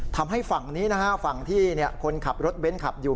ทำให้ฝั่งนี้นะฮะฝั่งที่คนขับรถเบ้นขับอยู่